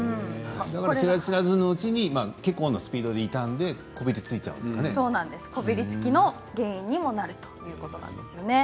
知らず知らずのうちで結構なスピードで傷んでこびりつきの原因にもなるんです。